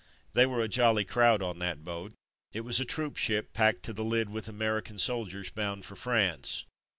They were a jolly crowd on that boat. It was a troopship, packed to the lid with American soldiers bound for France.